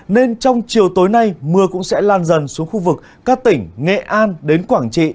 nên trong chiều tối nay mưa cũng sẽ lan dần xuống khu vực các tỉnh nghệ an đến quảng trị